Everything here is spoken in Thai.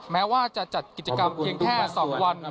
แม้ว่าจะจัดกิจกรรมเพียงแค่๒วัน